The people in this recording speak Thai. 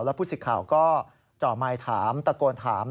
แล้วพูดสิทธิ์ข่าวก็จ่อมายถามตะโกนถาม